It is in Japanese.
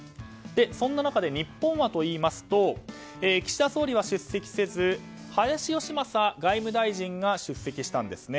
そんな中で日本はといいますと岸田総理は出席せず林芳正外務大臣が出席したんです。